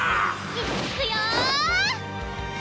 いっくよ！